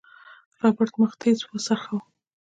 رابرټ مخ تېز وڅرخوه.